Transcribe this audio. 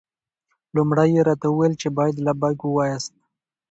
لومړی یې راته وویل چې باید لبیک ووایاست.